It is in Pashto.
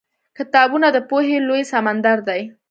کتابونه د پوهې لوی سمندر دی.